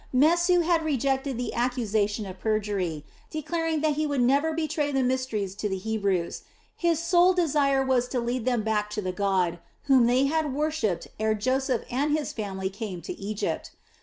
Mesu had rejected the accusation of perjury, declaring that he would never betray the mysteries to the Hebrews, his sole desire was to lead them back to the God whom they had worshipped ere Joseph and his family came to Egypt.